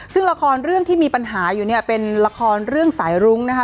ซึ่งละครเรื่องที่มีปัญหาอยู่เนี่ยเป็นละครเรื่องสายรุ้งนะคะ